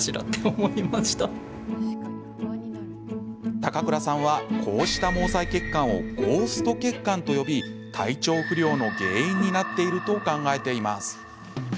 高倉さんは、こうした毛細血管をゴースト血管と呼び体調不良の原因になっていると考えています。